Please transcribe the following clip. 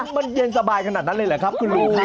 มันเย็นสบายขนาดนั้นเลยเหรอครับคุณลุงครับ